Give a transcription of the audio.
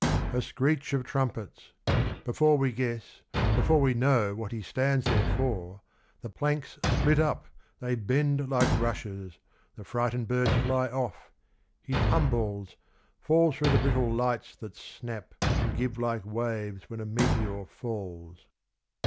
A screech of trumpets — before we guess, before we know what he stands there for, the planks split up, they bend like rushes, the frightened birds fly ot?, he tumbles, falls through the brittle lisfhts that snap, and orive like waves when a meteor falls.